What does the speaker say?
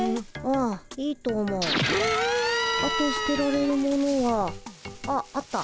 あと捨てられるものはあっあった。